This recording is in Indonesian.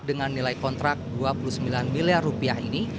dengan nilai kontrak rp dua puluh sembilan miliar ini